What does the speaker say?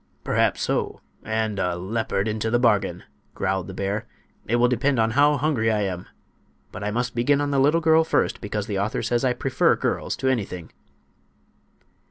"Perhaps so, and a leopard into the bargain," growled the bear. "It will depend on how hungry I am. But I must begin on the little girl first, because the author says I prefer girls to anything."